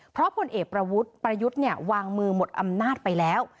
เพราะผลเอกประวุฒิประยุทธ์เนี่ยวางมือหมดอำนาจไปแล้ว